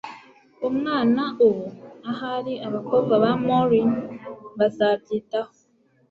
umwana ubu? ahari abakobwa ba maureen bazabyitaho